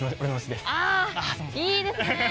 あいいですねぇ。